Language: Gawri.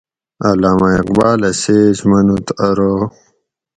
علامہ اقبالہ سیچ منوت ارو